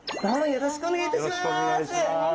よろしくお願いします。